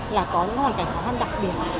là có những hoàn cảnh khó khăn đặc biệt